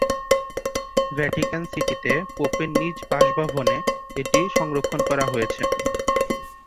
Vatican সিটি-তে পোপের নিজ বাসভবনে এটি সংরক্ষণ করা হয়েছে।